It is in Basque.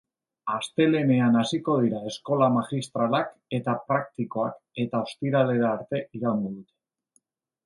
Astelehenean hasiko dira eskola magistralak eta praktikoak eta ostiralera arte iraungo dute.